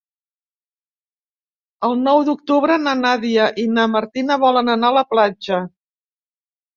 El nou d'octubre na Nàdia i na Martina volen anar a la platja.